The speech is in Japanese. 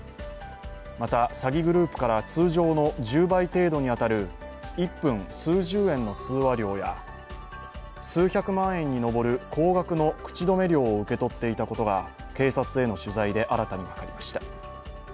また、詐欺グループから通常の１０倍程度に当たる１分数十円の通話料や、数百万円に上る高額の口止め料を受け取っていたことが警察への取材で新たに分かりました。